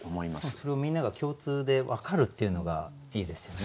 それをみんなが共通で分かるっていうのがいいですよね。